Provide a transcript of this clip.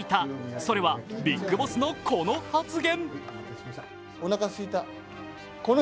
それは、ビッグボスのこの発言。